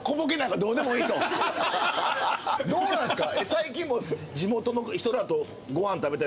どうなんすか？